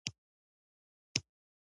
یو سړک و، خو بخت مو کار ونه کړ.